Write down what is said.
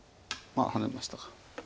ハネましたか。